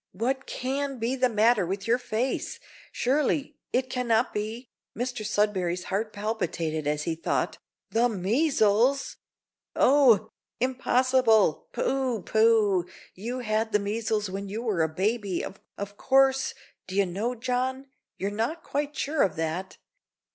What can be the matter with your face? surely it cannot be," (Mr Sudberry's heart palpitated as he thought), "the measles! Oh! impossible, pooh! pooh! you had the measles when you were a baby, of course d'ye know, John, you're not quite sure of that.